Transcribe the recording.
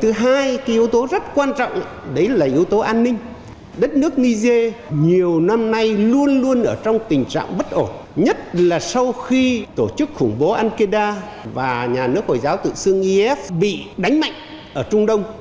thứ hai yếu tố rất quan trọng là yếu tố an ninh đất nước niger nhiều năm nay luôn luôn ở trong tình trạng bất ổn nhất là sau khi tổ chức khủng bố al qaeda và nhà nước hồi giáo tự xương yf bị đánh mạnh ở trung đông